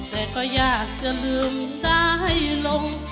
แต่ก็อยากจะลืมตาให้ลง